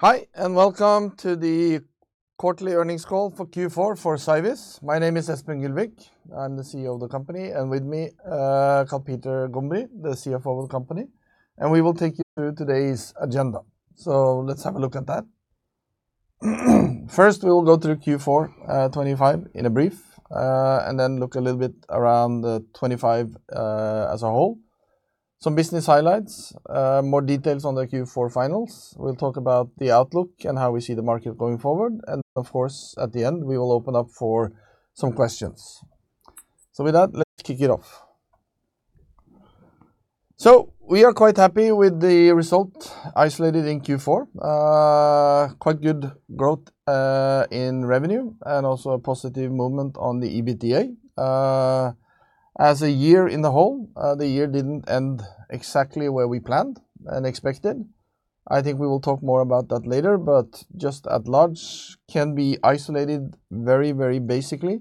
Hi, and welcome to the Quarterly Earnings Call for Q4 for Cyviz. My name is Espen Gylvik. I'm the CEO of the company, and with me, Karl Peter Gombrii, the CFO of the company, and we will take you through today's agenda. Let's have a look at that. First, we will go through Q4 2025 in a brief, and then look a little bit around the 2025 as a whole. Some business highlights, more details on the Q4 finals. We'll talk about the outlook and how we see the market going forward, and of course, at the end, we will open up for some questions. With that, let's kick it off. We are quite happy with the result isolated in Q4. Quite good growth in revenue and also a positive movement on the EBITDA. As a year in the whole, the year didn't end exactly where we planned and expected. I think we will talk more about that later, but just at large, can be isolated very, very basically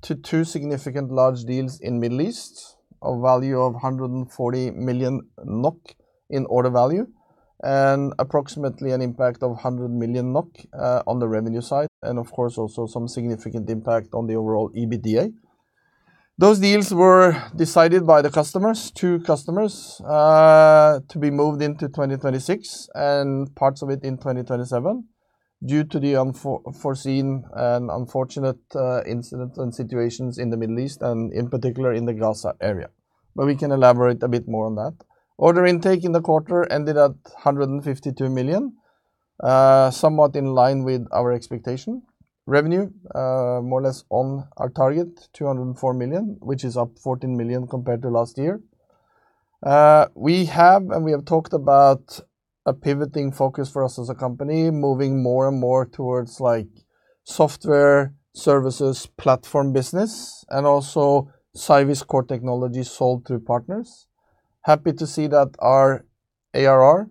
to two significant large deals in Middle East, a value of 140 million NOK in order value, and approximately an impact of 100 million NOK on the revenue side, and of course, also some significant impact on the overall EBITDA. Those deals were decided by the customers, two customers, to be moved into 2026 and parts of it in 2027 due to the foreseen and unfortunate incident and situations in the Middle East and in particular in the Gaza area. We can elaborate a bit more on that. Order intake in the quarter ended at 152 million, somewhat in line with our expectation. Revenue, more or less on our target, 204 million, which is up 14 million compared to last year. We have, and we have talked about a pivoting focus for us as a company, moving more and more towards, like, software services, platform business, and also Cyviz core technology sold through partners. Happy to see that our ARR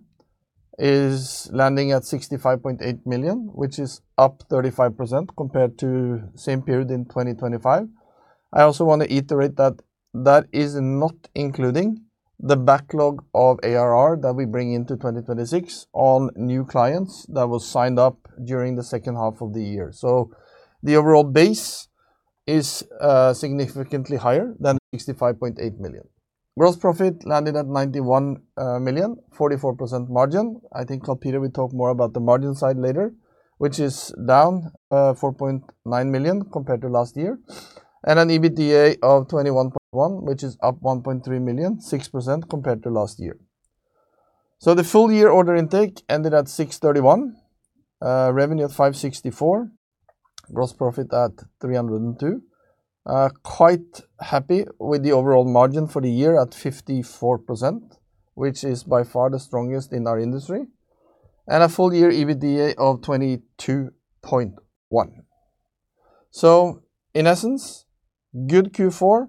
is landing at 65.8 million, which is up 35% compared to same period in 2025. I also want to iterate that that is not including the backlog of ARR that we bring into 2026 on new clients that was signed up during the second half of the year. The overall base is significantly higher than 65.8 million. Gross profit landed at 91 million, 44% margin. I think, Karl Peter, will talk more about the margin side later, which is down 4.9 million compared to last year, and an EBITDA of 21.1 million, which is up 1.3 million, 6% compared to last year. The full year order intake ended at 631 million, revenue at 564 million, gross profit at 302 million. Quite happy with the overall margin for the year at 54%, which is by far the strongest in our industry, and a full year EBITDA of 22.1 million. In essence, good Q4,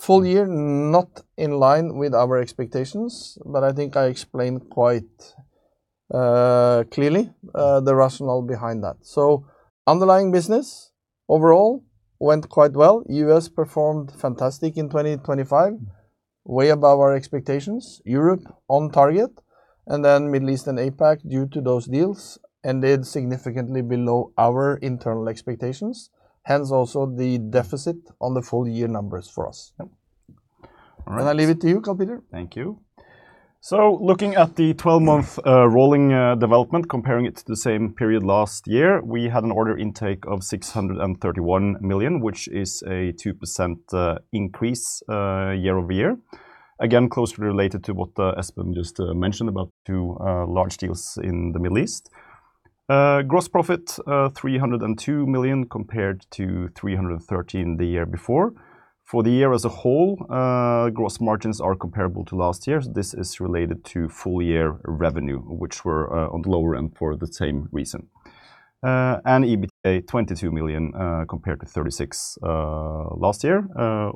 full year, not in line with our expectations, but I think I explained quite clearly the rationale behind that. Underlying business overall went quite well. U.S. performed fantastic in 2025, way above our expectations. Europe, on target, and then Middle East and APAC, due to those deals, ended significantly below our internal expectations, hence also the deficit on the full year numbers for us. Yeah. All right. I leave it to you, Karl Peter. Thank you. Looking at the 12-month rolling development, comparing it to the same period last year, we had an order intake of 631 million, which is a 2% increase year-over-year. Again, closely related to what Espen Gylvik just mentioned about two large deals in the Middle East. Gross profit, 302 million compared to 313 million the year before. For the year as a whole, gross margins are comparable to last year's. This is related to full year revenue, which were on the lower end for the same reason. EBITDA, 22 million compared to 36 million last year,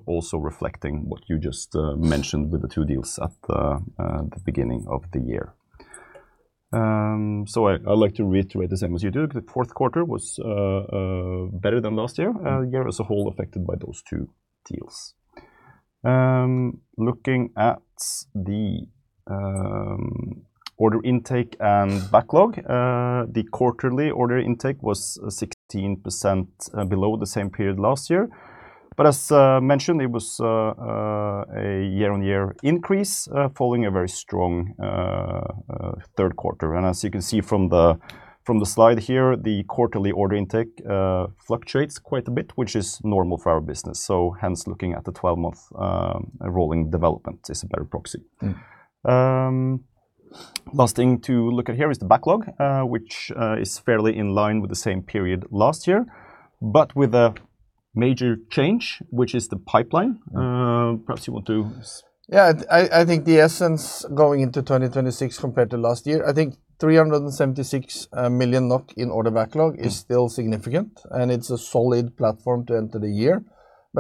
also reflecting what you just mentioned with the two deals at the beginning of the year. I like to reiterate the same as you do. The fourth quarter was better than last year. Year as a whole, affected by those two deals. Looking at the order intake and backlog, the quarterly order intake was 16% below the same period last year, but as mentioned, it was a year-on-year increase following a very strong third quarter. As you can see from the, from the slide here, the quarterly order intake fluctuates quite a bit, which is normal for our business, so hence, looking at the 12-month rolling development is a better proxy. Mm. Last thing to look at here is the backlog, which is fairly in line with the same period last year, but with a major change, which is the pipeline. perhaps you want to... I think the essence going into 2026 compared to last year, I think 376 million NOK in order backlog. Mm... is still significant, and it's a solid platform to enter the year.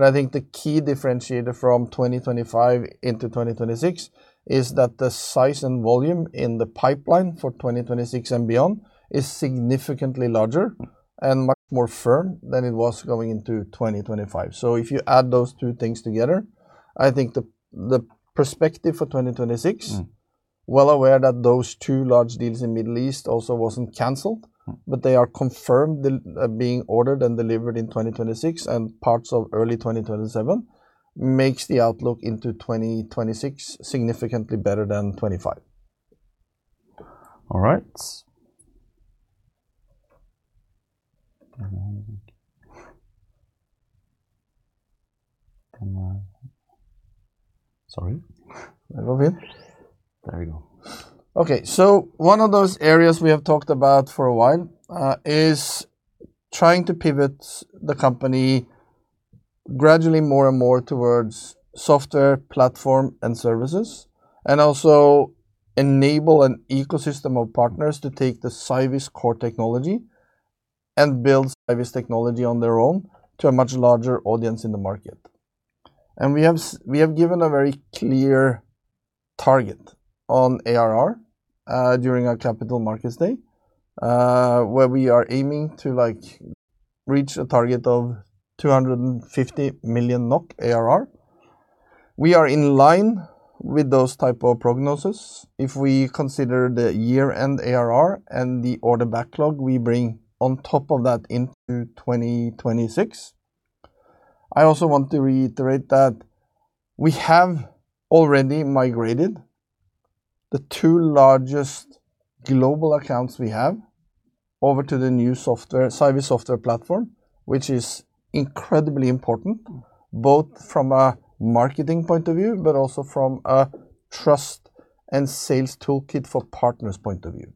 I think the key differentiator from 2025 into 2026 is that the size and volume in the pipeline for 2026 and beyond is significantly larger and much more firm than it was going into 2025. If you add those two things together. I think the perspective for 2026. Mm. well aware that those two large deals in Middle East also wasn't canceled. Mm. They are confirmed being ordered and delivered in 2026, and parts of early 2027, makes the outlook into 2026 significantly better than 2025. All right. Come on. Sorry. Let go of it. There we go. One of those areas we have talked about for a while, is trying to pivot the company gradually more and more towards software, platform, and services, and also enable an ecosystem of partners to take the Cyviz core technology and build Cyviz technology on their own to a much larger audience in the market. We have given a very clear target on ARR, during our Capital Markets Day, where we are aiming to, like, reach a target of 250 million NOK ARR. We are in line with those type of prognosis if we consider the year-end ARR and the order backlog we bring on top of that into 2026. I also want to reiterate that we have already migrated the two largest global accounts we have over to the new software, Cyviz software platform, which is incredibly important, both from a marketing point of view, but also from a trust and sales toolkit for partners point of view.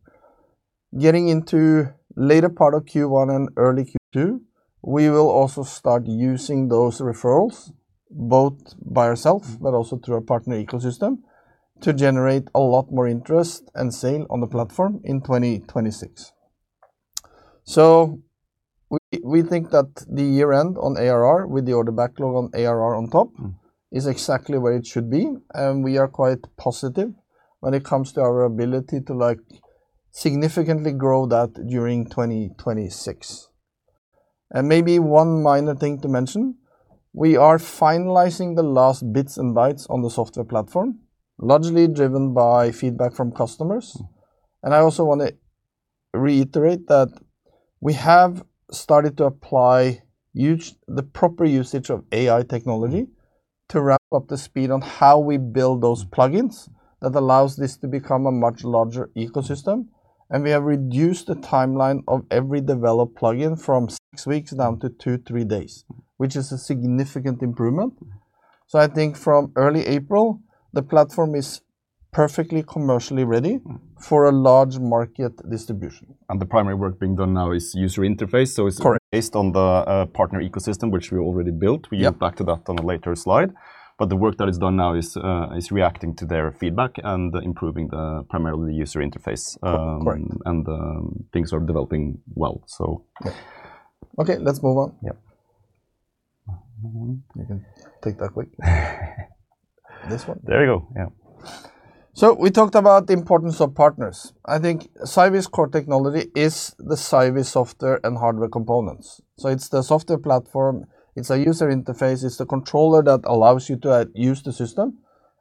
Getting into later part of Q1 and early Q2, we will also start using those referrals, both by ourself, but also through our partner ecosystem, to generate a lot more interest and sale on the platform in 2026. We think that the year-end on ARR, with the order backlog on ARR on top. Mm. is exactly where it should be, we are quite positive when it comes to our ability to, like, significantly grow that during 2026. Maybe one minor thing to mention, we are finalizing the last bits and bytes on the software platform, largely driven by feedback from customers. I also want to reiterate that we have started to apply the proper usage of AI technology to ramp up the speed on how we build those plugins that allows this to become a much larger ecosystem, and we have reduced the timeline of every developed plugin from six weeks down to two, three days, which is a significant improvement. I think from early April, the platform is perfectly commercially ready. Mm. for a large market distribution. The primary work being done now is user interface. Correct... based on the partner ecosystem, which we already built. Yep. We get back to that on a later slide. The work that is done now is reacting to their feedback and improving the primarily user interface. Correct... things are developing well, so. Yeah. Okay, let's move on. Yep. You can take that quick. This one? There you go. Yeah. We talked about the importance of partners. I think Cyviz core technology is the Cyviz software and hardware components. It's the software platform, it's a user interface, it's the controller that allows you to use the system,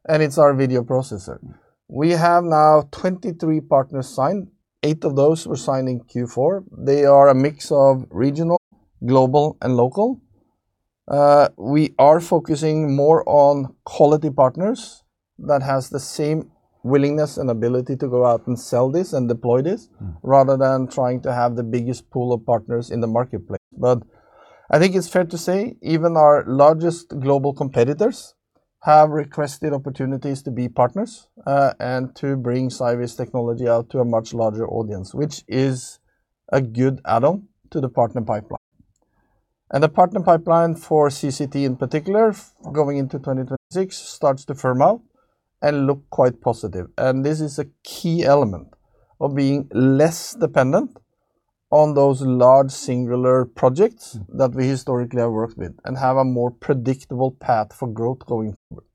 and it's our video processor. Mm. We have now 23 partners signed. Eight of those were signed in Q4. They are a mix of regional, global, and local. We are focusing more on quality partners that has the same willingness and ability to go out and sell this and deploy this. Mm... rather than trying to have the biggest pool of partners in the marketplace. I think it's fair to say, even our largest global competitors have requested opportunities to be partners, and to bring Cyviz technology out to a much larger audience, which is a good add-on to the partner pipeline. The partner pipeline for CCT, in particular, going into 2026, starts to firm out and look quite positive. This is a key element of being less dependent on those large, singular projects- Mm... that we historically have worked with, and have a more predictable path for growth going forward.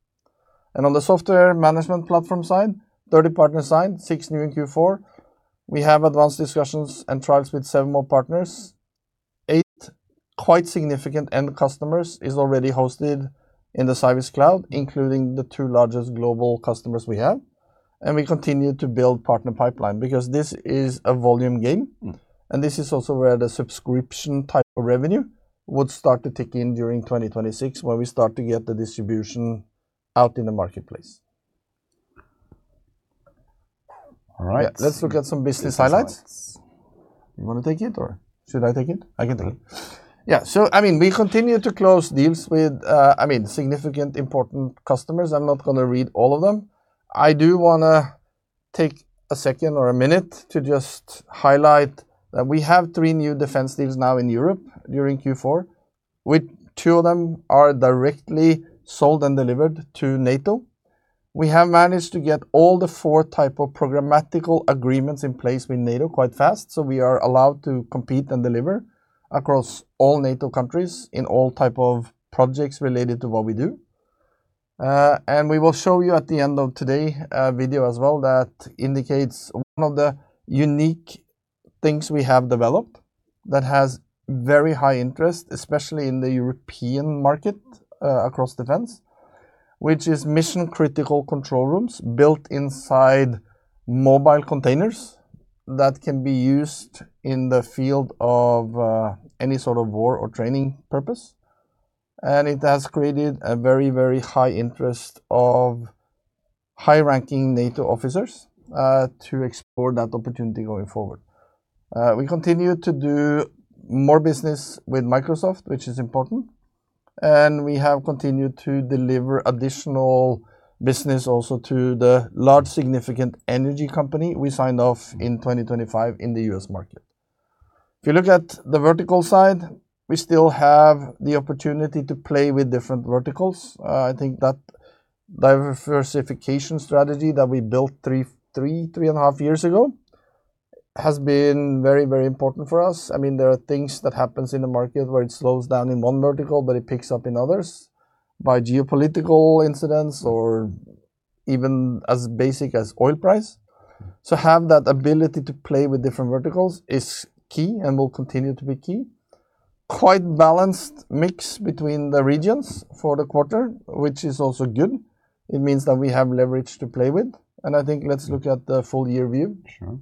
On the software management platform side, 30 partners signed, six new in Q4. We have advanced discussions and trials with seven more partners. Eight quite significant end customers is already hosted in the Cyviz Cloud, including the two largest global customers we have. We continue to build partner pipeline, because this is a volume game. Mm. This is also where the subscription type of revenue would start to kick in during 2026, when we start to get the distribution out in the marketplace. All right. Yeah, let's look at some business highlights. You want to take it, or should I take it? I can take it. I mean, we continue to close deals with, I mean, significant, important customers. I'm not going to read all of them. I do want to take a second or a minute to just highlight that we have three new defense deals now in Europe during Q4, with two of them are directly sold and delivered to NATO. We have managed to get all the four type of programmatical agreements in place with NATO quite fast, we are allowed to compete and deliver across all NATO countries, in all type of projects related to what we do. We will show you at the end of today, a video as well, that indicates one of the. things we have developed that has very high interest, especially in the European market, across defense, which is mission-critical control rooms built inside mobile containers that can be used in the field of any sort of war or training purpose. It has created a very, very high interest of high-ranking NATO officers to explore that opportunity going forward. We continue to do more business with Microsoft, which is important, and we have continued to deliver additional business also to the large significant energy company we signed off in 2025 in the U.S. market. If you look at the vertical side, we still have the opportunity to play with different verticals. I think that diversification strategy that we built three and a half years ago, has been very, very important for us. I mean, there are things that happens in the market where it slows down in one vertical, but it picks up in others by geopolitical incidents or even as basic as oil price. Have that ability to play with different verticals is key and will continue to be key. Quite balanced mix between the regions for the quarter, which is also good. It means that we have leverage to play with, and I think let's look at the full year view. Sure.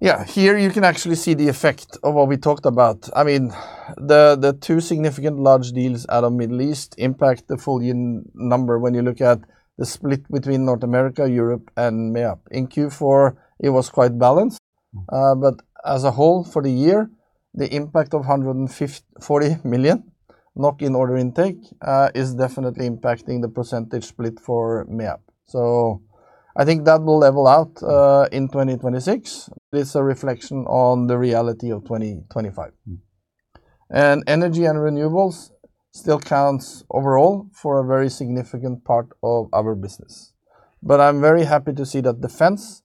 Yeah. Here, you can actually see the effect of what we talked about. I mean, the two significant large deals out of Middle East impact the full year number when you look at the split between North America, Europe, and MEAP. In Q4, it was quite balanced. Mm. As a whole for the year, the impact of 140 million in order intake, is definitely impacting the percentage split for MEAP. I think that will level out in 2026. It's a reflection on the reality of 2025. Mm. energy and renewables still counts overall for a very significant part of our business. I'm very happy to see that defense,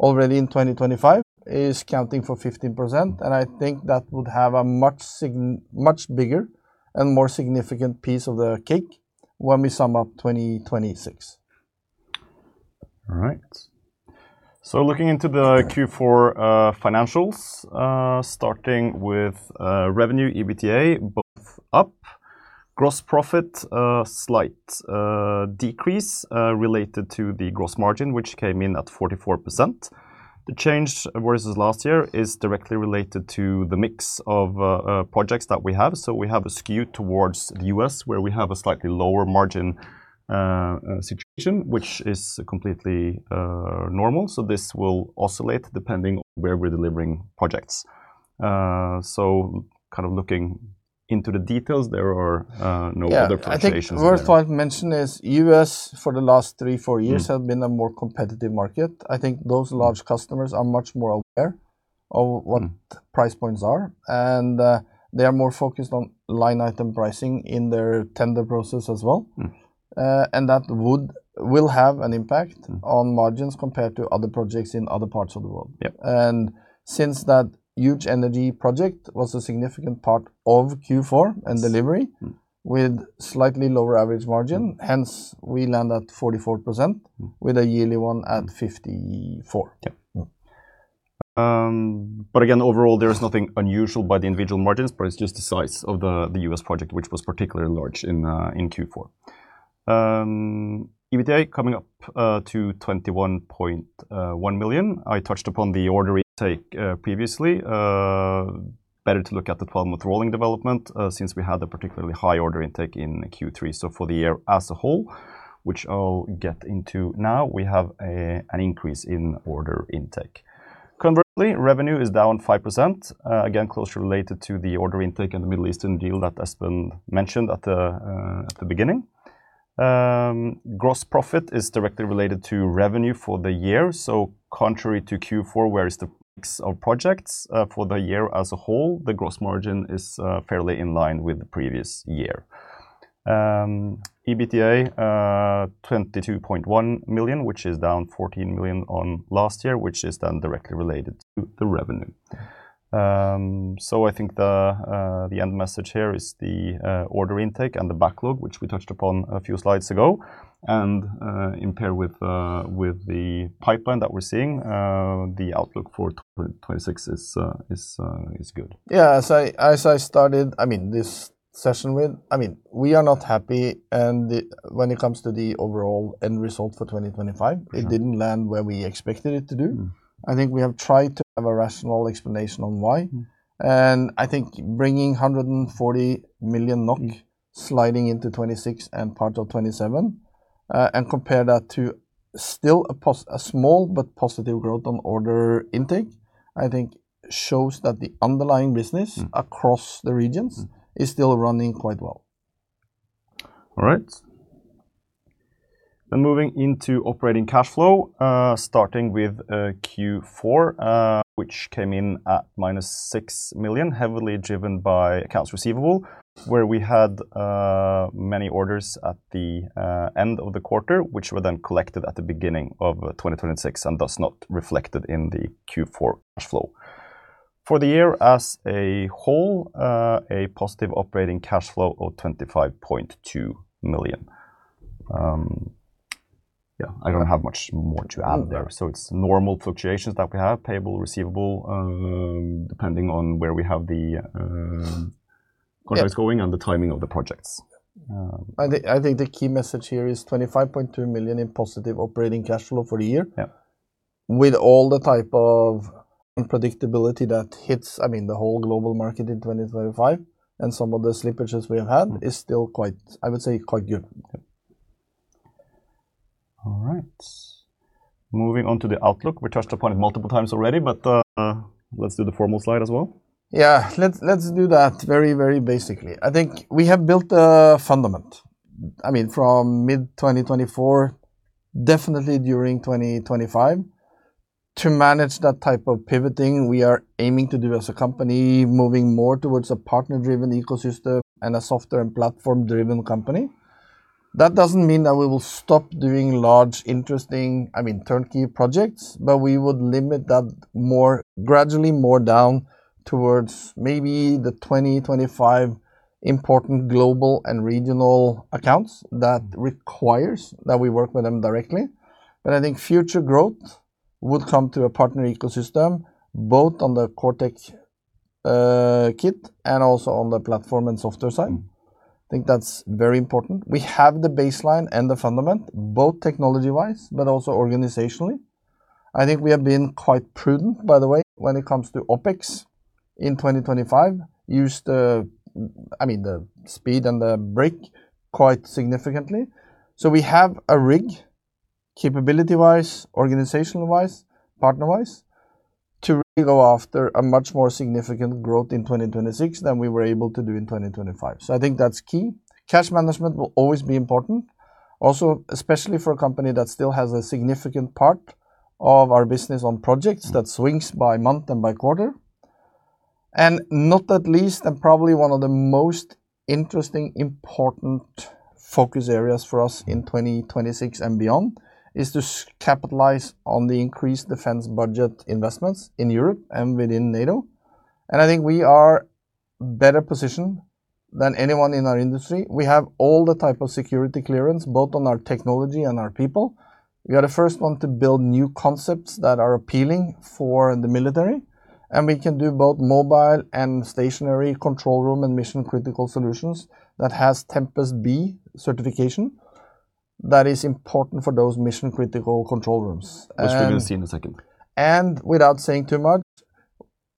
already in 2025, is counting for 15%, and I think that would have a much bigger and more significant piece of the cake when we sum up 2026. All right. Looking into the Q4 financials, starting with revenue, EBITDA, both up. Gross profit, a slight decrease, related to the gross margin, which came in at 44%. The change versus last year is directly related to the mix of projects that we have. We have a skew towards the U.S., where we have a slightly lower margin situation, which is completely normal, this will oscillate depending on where we're delivering projects. Kind of looking into the details, there are no other clarifications there. Yeah. I think worth while to mention is U.S., for the last three, four years. Mm... have been a more competitive market. I think those large customers are much more aware of. Mm... price points are, and, they are more focused on line item pricing in their tender process as well. Mm. that will have an impact- Mm... on margins compared to other projects in other parts of the world. Yep. Since that huge energy project was a significant part of Q4. Mm... with slightly lower average margin, hence, we land at 44%. Mm... with a yearly one at 54%. Again, overall, there is nothing unusual by the individual margins, but it's just the size of the U.S. project, which was particularly large in Q4. EBITDA coming up to 21.1 million. I touched upon the order intake previously. Better to look at the bottom of rolling development since we had a particularly high order intake in Q3. For the year as a whole, which I'll get into now, we have an increase in order intake. Conversely, revenue is down 5%, again, closely related to the order intake in the Middle Eastern deal that has been mentioned at the beginning. Gross profit is directly related to revenue for the year. Contrary to Q4, where is the mix of projects for the year as a whole, the gross margin is fairly in line with the previous year. EBITDA, 22.1 million, which is down 14 million on last year, which is then directly related to the revenue. I think the end message here is the order intake and the backlog, which we touched upon a few slides ago, and in pair with the pipeline that we're seeing, the outlook for 2026 is good. Yeah. As I started, I mean, this session with... I mean, we are not happy, and when it comes to the overall end result for 2025... Sure... it didn't land where we expected it to do. Mm. I think we have tried to have a rational explanation on why. Mm. I think bringing 140 million NOK. Mm... sliding into 2026 and part of 2027, and compare that to still a small but positive growth on order intake, I think shows that the underlying business- Mm... across the regions. Mm... is still running quite well. All right. Moving into operating cash flow, starting with Q4, which came in at -6 million, heavily driven by accounts receivable, where we had many orders at the end of the quarter, which were then collected at the beginning of 2026 and thus not reflected in the Q4 cash flow. For the year as a whole, a positive operating cash flow of 25.2 million. Yeah, I don't have much more to add there. It's normal fluctuations that we have, payable, receivable, depending on where we have the. Yeah projects going and the timing of the projects. I think the key message here is 25.2 million in positive operating cash flow for the year. Yeah. With all the type of predictability that hits, I mean, the whole global market in 2025, and some of the slippages we have had, is still quite, I would say, quite good. Yeah. All right. Moving on to the outlook. We touched upon it multiple times already, but, let's do the formal slide as well. Yeah, let's do that very, very basically. I think we have built a fundament. I mean, from mid-2024, definitely during 2025, to manage that type of pivoting we are aiming to do as a company, moving more towards a partner-driven ecosystem and a software and platform-driven company. That doesn't mean that we will stop doing large, interesting, I mean, turnkey projects, but we would limit that more gradually more down towards maybe the 20-25 important global and regional accounts that requires that we work with them directly. I think future growth would come to a partner ecosystem, both on the cortex kit and also on the platform and software side. Mm. I think that's very important. We have the baseline and the fundament, both technology wise, but also organizationally. I think we have been quite prudent, by the way, when it comes to OpEx in 2025, use the, I mean, the speed and the brake quite significantly. We have a rig, capability wise, organizational wise, partner wise, to really go after a much more significant growth in 2026 than we were able to do in 2025. I think that's key. Cash management will always be important. Especially for a company that still has a significant part of our business on projects that swings by month and by quarter. Not at least, and probably one of the most interesting, important focus areas for us in 2026 and beyond, is to capitalize on the increased defense budget investments in Europe and within NATO. I think we are better positioned than anyone in our industry. We have all the type of security clearance, both on our technology and our people. We are the first one to build new concepts that are appealing for the military, and we can do both mobile and stationary control room and mission-critical solutions that has TEMPEST B certification. That is important for those mission-critical control rooms. Which we will see in a second. Without saying too much,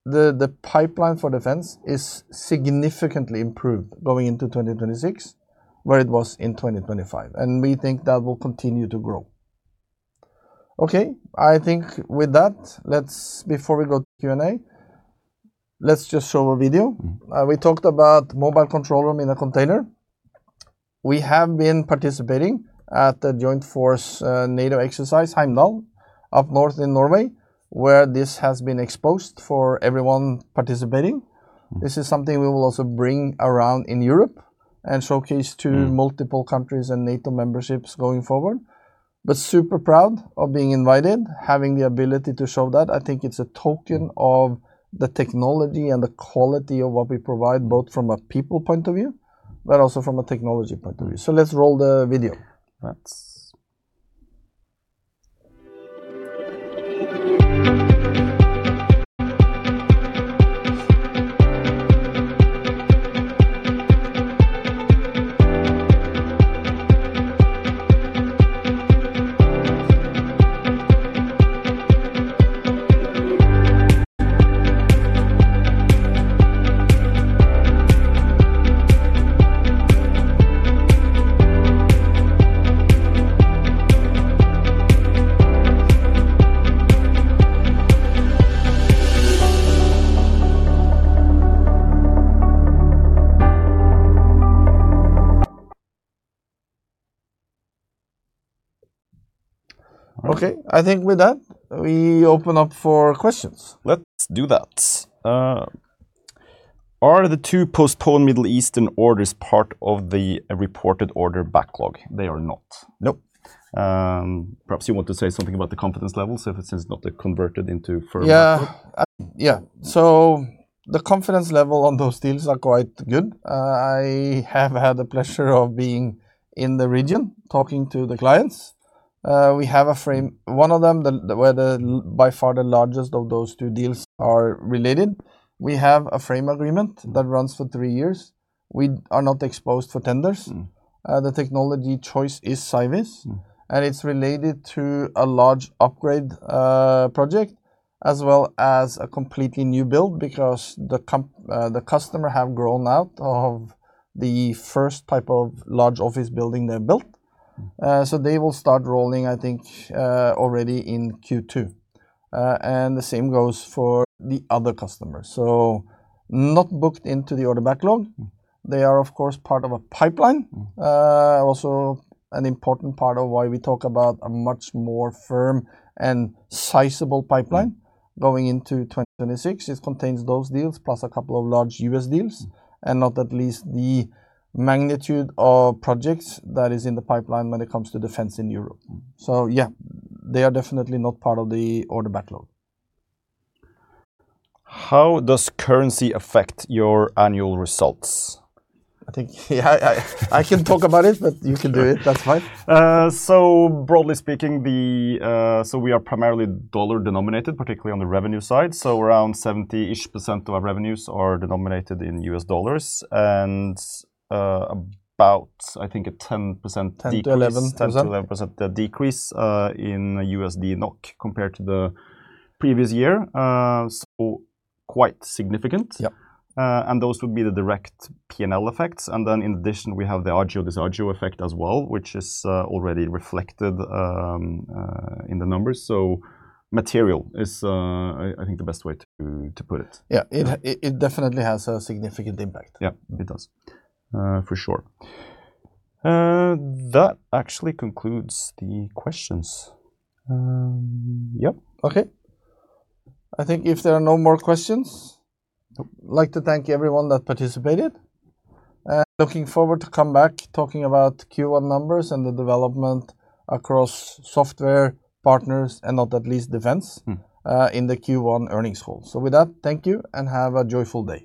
the pipeline for defense is significantly improved going into 2026, where it was in 2025, and we think that will continue to grow. Okay, I think with that, before we go to Q&A, let's just show a video. Mm. We talked about mobile control room in a container. We have been participating at the Joint Force, NATO exercise, HEIMDALL, up north in Norway, where this has been exposed for everyone participating. Mm. This is something we will also bring around in Europe and showcase- Mm... to multiple countries and NATO memberships going forward. Super proud of being invited, having the ability to show that. I think it's a token of the technology and the quality of what we provide, both from a people point of view, but also from a technology point of view. Let's roll the video. Let's. Okay, I think with that, we open up for questions. Let's do that. Are the two postponed Middle Eastern orders part of the reported order backlog? They are not. Nope. Perhaps you want to say something about the confidence level, so if it is not converted into firm backlog. Yeah. Yeah. The confidence level on those deals are quite good. I have had the pleasure of being in the region, talking to the clients. One of them, the, where the, by far the largest of those two deals are related, we have a frame agreement. Mm that runs for three years. We are not exposed for tenders. Mm. The technology choice is Cyviz- Mm... and it's related to a large upgrade project, as well as a completely new build, because the customer have grown out of the first type of large office building they built. They will start rolling, I think, already in Q2. The same goes for the other customer. Not booked into the order backlog. Mm. They are, of course, part of a pipeline. Mm. Also an important part of why we talk about a much more firm and sizable pipeline. Mm... going into 2026. It contains those deals, plus a couple of large U.S. deals, not at least the magnitude of projects that is in the pipeline when it comes to defense in Europe. Mm. Yeah, they are definitely not part of the order backlog. How does currency affect your annual results? I think, yeah, I can talk about it, but you can do it. That's fine. Broadly speaking, we are primarily dollar-denominated, particularly on the revenue side, around 70-ish% of our revenues are denominated in US dollars. About, I think, a 10% decrease. 10%-11%. 10%-11% decrease in USD/NOK compared to the previous year. Quite significant. Yeah. Those would be the direct P&L effects. In addition, we have the Agio Disagio effect as well, which is already reflected in the numbers. Material is, I think the best way to put it. Yeah, it definitely has a significant impact. Yeah, it does, for sure. That actually concludes the questions. Yep. Okay. I think if there are no more questions, I'd like to thank everyone that participated, and looking forward to come back, talking about Q1 numbers and the development across software, partners, and not at least defense... Mm In the Q1 earnings call. With that, thank you, and have a joyful day.